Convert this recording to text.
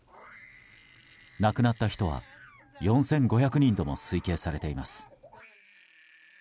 亡くなった人は４５００人とも推計されています。